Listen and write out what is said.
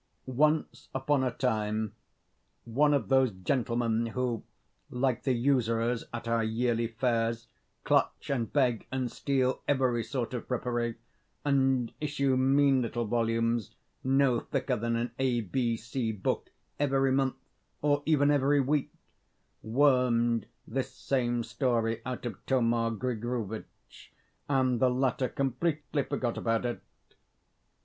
Once upon a time, one of those gentlemen who, like the usurers at our yearly fairs, clutch and beg and steal every sort of frippery, and issue mean little volumes, no thicker than an A B C book, every month, or even every week, wormed this same story out of Thoma Grigorovitch, and the latter completely forgot about it.